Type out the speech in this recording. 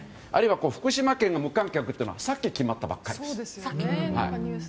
福島県が無観客というのはさっき決まったばかりです。